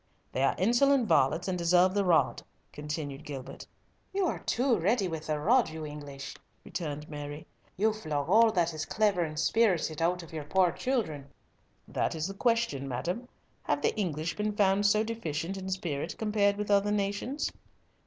"They are insolent varlets and deserve the rod," continued Gilbert. "You are too ready with the rod, you English," returned Mary. "You flog all that is clever and spirited out of your poor children!" "That is the question, madam. Have the English been found so deficient in spirit compared with other nations?"